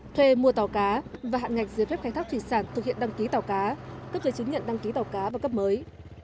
thuê mua tàu cá và hạn ngạch giấy phép khai thác thủy sản thực hiện đăng ký tàu cá cấp giới chứng nhận đăng ký tàu cá và cấp mới